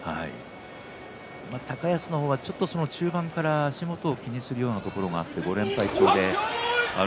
高安は中盤から足元を気にするところがあって５連敗中です。